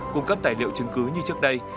cung cấp tài liệu chứng cứ như trước đây